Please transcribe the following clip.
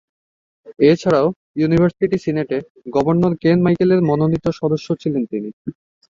এছাড়াও, ইউনিভার্সিটি সিনেটে governor Ken মাইকেলের মনোনীত সদস্য ছিলেন তিনি।